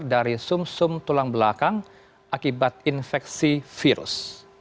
dari sum sum tulang belakang akibat infeksi virus